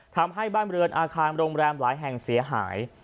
ทำให้บ้านเรือนอาคารโรงแรมหลายแห่งเสียหาย